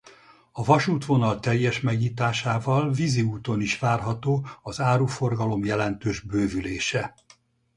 A vasútvonal teljes megnyitásával vízi úton is várható az áruforgalom jelentős bővülése.